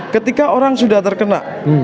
ketika orang sudah terkena